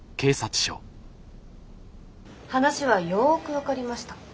話はよく分かりました。